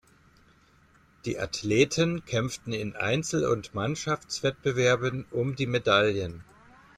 Die Athleten kämpften in Einzel- und Mannschaftswettbewerben um die Medaillen.